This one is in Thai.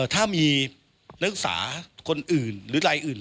ถ้ามีเนื้อรึกษาคนอื่น